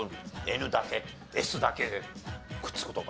ＮだけＳだけでくっつく事が。